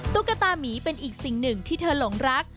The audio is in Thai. ตุ๊กตามีเป็นอีกสิ่งหนึ่งที่เธอหลงรัก